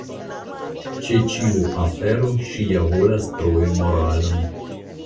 Ĉe ĉiu afero ŝi ja volas trovi moralon.